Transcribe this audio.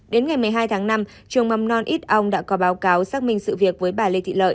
đến ngày một mươi hai tháng năm trường mầm non ít âu đã có báo cáo xác minh sự việc với bà lê thị lợi